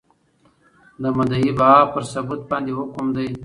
د مدعی بها پر ثبوت باندي حکم دی ؟